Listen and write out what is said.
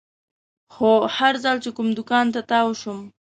خو هر ځل چې کوم دوکان ته تاو شوم.